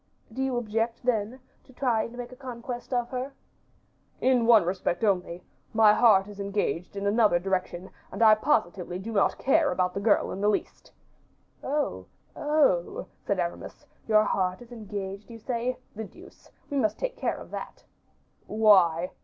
"Do you object, then, to try and make a conquest of her?" "In one respect only; my heart is engaged in another direction, and I positively do not care about the girl in the least." "Oh, oh!" said Aramis, "your heart is engaged, you say. The deuce! we must take care of that." "Why?"